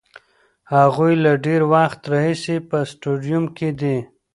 هغوی له ډېر وخته راهیسې په سټډیوم کې دي.